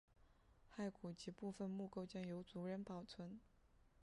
骸骨及部分墓构件由族人保存。